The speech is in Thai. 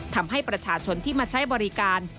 ทำให้ประชาชนที่มาใช้บริการ